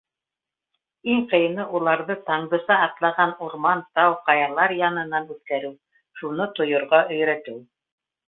Иң ҡыйыны уларҙы Таңдыса атлаған урман, тау, ҡаялар янынан үткәреү, шуны тойорға өйрәтеү.